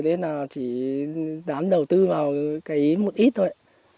nên là chỉ đám đầu tư vào cái một ít thôi